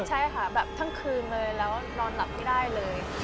ใช่ค่ะแบบทั้งคืนเลยแล้วนอนหลับไม่ได้เลย